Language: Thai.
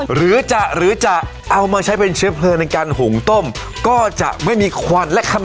ฮือฮือฮือฮือฮือฮือฮือฮือ